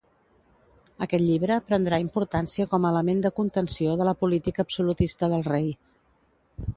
Aquest llibre prendrà importància com a element de contenció de la política absolutista del rei.